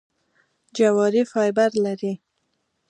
جواري فایبر لري .